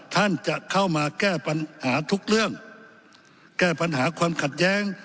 ท่านจะเข้ามาแก้ปัญหาทุกเรื่องแก้ปัญหาความขัดแย้ง